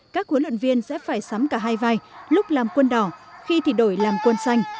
các huấn luyện viên sẽ phải sắm cả hai vai lúc làm quân đỏ khi thịt đổi làm quân xanh